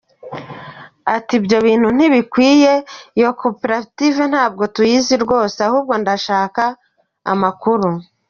Ati “Ibyo bintu ntibikwiriye, iyo koperative ntabwo tuyizi rwose, ahubwo ndaza gushaka amakuru.